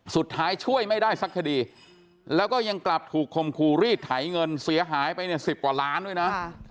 ช่วยไม่ได้สักคดีแล้วก็ยังกลับถูกคมคู่รีดไถเงินเสียหายไปเนี่ย๑๐กว่าล้านด้วยนะ